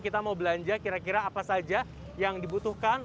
kita mau belanja kira kira apa saja yang dibutuhkan